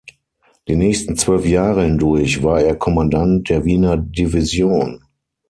Die nächsten zwölf Jahre hindurch war er Kommandant der Wiener Division.